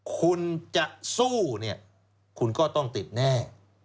คุณจะสู้คุณก็ต้องติดแน่